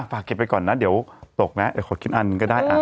ฝากเก็บไปก่อนนะเดี๋ยวตกนะขอกินอันนึงก็ได้